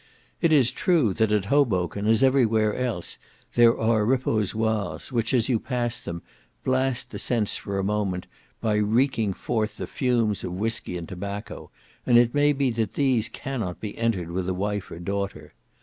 It is true, that at Hoboken, as every where else, there are reposoires, which, as you pass them, blast the sense for a moment, by reeking forth the fumes of whiskey and tobacco, and it may be that these cannot be entered with a wife or daughter.